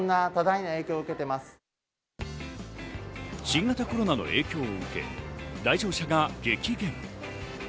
新型コロナの影響を受け、来場者が激減。